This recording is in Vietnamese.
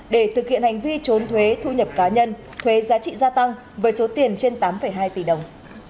để thực hiện hành vi trốn thuế thu nhập cá nhân thuế giá trị gia tăng với số tiền trên tám hai tỷ đồng